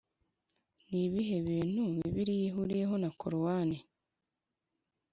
ni ibihe bintu bibiliya ihuriyeho na korowani?